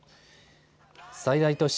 最大都市